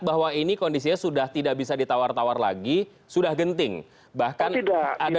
bahwa ini kondisinya sudah tidak bisa ditawar tawar lagi sudah genting barakad instead art tidak